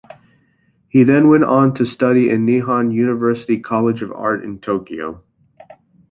He then went on to study in Nihon University College of Art in Tokyo.